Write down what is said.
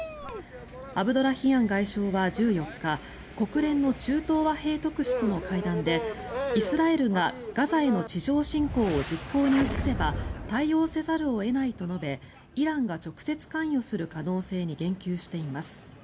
アブドラヒアン外相は１４日国連の中東和平特使との会談でイスラエルがガザへの地上侵攻を実行に移せば対応せざるを得ないと述べイランが直接関与する可能性に言及しています。